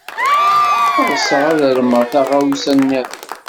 Ɣseɣ ad armeɣ taɣawsa niḍen.